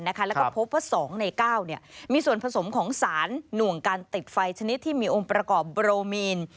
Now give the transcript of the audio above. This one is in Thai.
แล้วก็พบว่า๒ใน๙มีส่วนผสมของสารหน่วงการติดไฟชนิดที่มีองค์ประกอบโรมีน